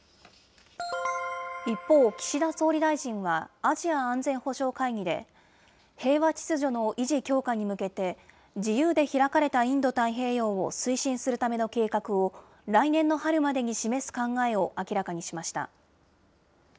一方、岸田総理大臣は、アジア安全保障会議で、平和秩序の維持強化に向けて、自由で開かれたインド太平洋を推進するための計画を、来年の春までに示す考えを明らかにしました。